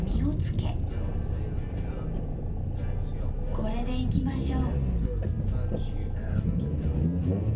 これでいきましょう。